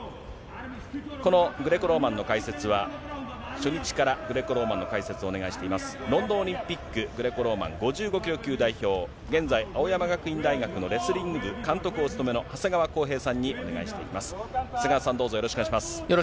このグレコローマンの解説は、初日からグレコローマンの解説をお願いしています、ロンドンオリンピックグレコローマン５５キロ級代表、現在、青山学院大学のレスリング部監督をお務めの長谷川こうへいさんにお願いしています。